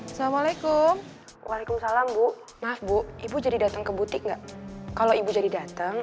assalamualaikum waalaikumsalam bu maaf bu ibu jadi datang ke butik nggak kalau ibu jadi datang